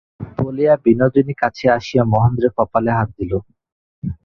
বলিয়া বিনোদিনী কাছে আসিয়া মহেন্দ্রের কপালে হাত দিল।